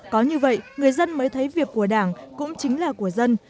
có như vậy người dân mới thấy việc của đảng cũng chính là của dân